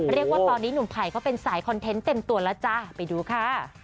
เรียกว่าตอนนี้หนุ่มไผ่เขาเป็นสายคอนเทนต์เต็มตัวแล้วจ้าไปดูค่ะ